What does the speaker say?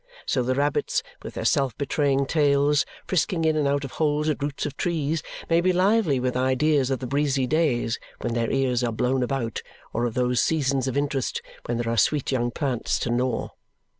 So the rabbits with their self betraying tails, frisking in and out of holes at roots of trees, may be lively with ideas of the breezy days when their ears are blown about or of those seasons of interest when there are sweet young plants to gnaw.